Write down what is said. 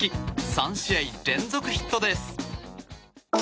３試合連続ヒットです。